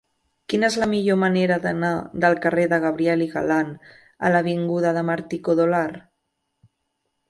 Quina és la millor manera d'anar del carrer de Gabriel y Galán a l'avinguda de Martí-Codolar?